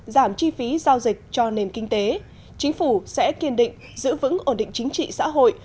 giảm chi phí giao dịch cho nền kinh tế chính phủ sẽ kiên định giữ vững ổn định chính trị xã hội